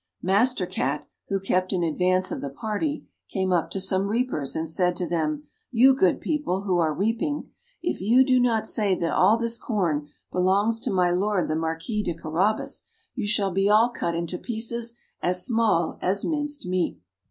Master Cat, who kept in advance of the party, came up to some reapers, and said to them, "You, good people, who are reaping, if you do not say that all this corn belongs to my Lord the Marquis de Carabas, you shall be all cut into pieces as small as minced meat!"